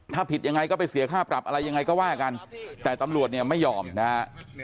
ถ้าผิดยังไงก็ไปเสียค่าปรับอะไรยังไงก็ว่ากันแต่ตำรวจเนี่ยไม่ยอมนะฮะ